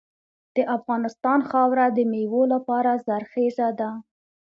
د افغانستان خاوره د میوو لپاره زرخیزه ده.